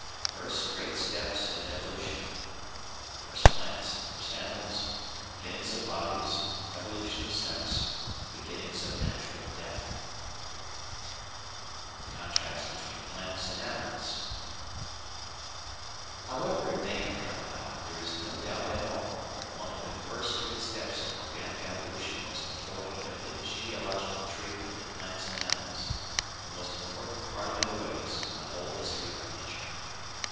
FIRST GREAT STEPS IN EVOLUTION THE FIRST PLANTS THE FIRST ANIMALS BEGINNINGS OF BODIES EVOLUTION OF SEX BEGINNING OF NATURAL DEATH § 1 The Contrast between Plants and Animals However it may have come about, there is no doubt at all that one of the first great steps in Organic Evolution was the forking of the genealogical tree into Plants and Animals the most important parting of the ways in the whole history of Nature.